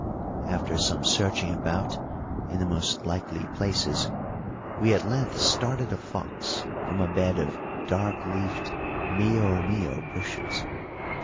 After some searching about in the most likely places, we at length started a fox from a bed of dark leafed mio mio bushes.